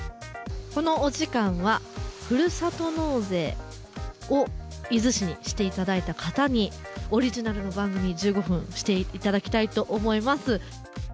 このお時間は、ふるさと納税を伊豆市にしていただいた方に、オリジナルの番組１５分、していただきたいと思います。